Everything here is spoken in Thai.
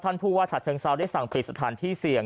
ผู้ว่าฉัดเชิงเซาได้สั่งปิดสถานที่เสี่ยง